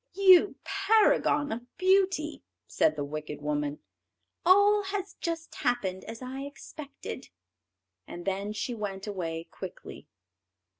"You paragon of beauty," said the wicked woman, "all has just happened as I expected," and then she went away quickly.